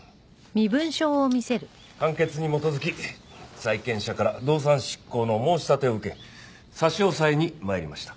判決に基づき債権者から動産執行の申し立てを受け差し押さえに参りました。